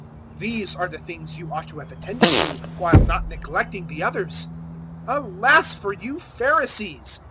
These are the things you ought to have attended to, while not neglecting the others. 011:043 Alas for you Pharisees!